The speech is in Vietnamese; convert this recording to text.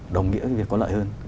đồng nghĩa là việc có lợi hơn